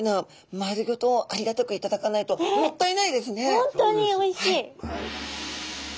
本当においしい！